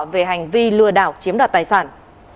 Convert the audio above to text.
về hành vi lừa đảo chiếm đoạt tài sản